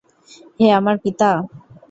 হে আমার পিতা!